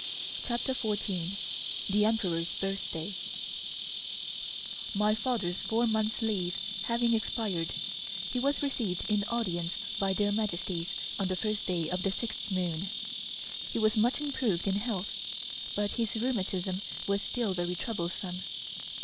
CHAPTER FOURTEEN THE EMPEROR'S BIRTHDAY MY father's four months' leave having expired, he was received in audience by their Majesties on the first day of the sixth moon. He was much improved in health, but his rheumatism was still very troublesome.